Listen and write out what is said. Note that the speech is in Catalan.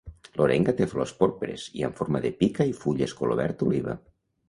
L'orenga té flors porpres i amb forma de pica i fulles color verd oliva.